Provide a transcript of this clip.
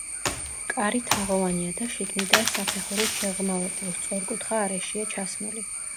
კარი თაღოვანია და შიგნიდან საფეხურით შეღრმავებულ, სწორკუთხა არეშია ჩასმული.